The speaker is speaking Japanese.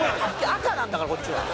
赤なんだからこっちは。